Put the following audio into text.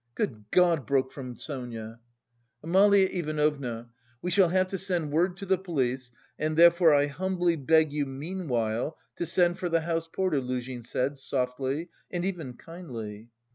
"Good God!" broke from Sonia. "Amalia Ivanovna, we shall have to send word to the police and therefore I humbly beg you meanwhile to send for the house porter," Luzhin said softly and even kindly.